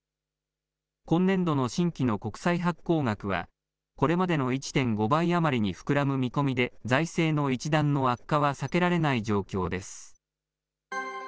今年度の新規の国債発行額は、これまでの１．５倍余りに膨らむ見込みで、財政の一段の悪化は避けられない状況です。